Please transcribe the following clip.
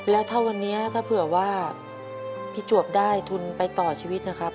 แล้วถ้าวันนี้ถ้าเผื่อว่าพี่จวบได้ทุนไปต่อชีวิตนะครับ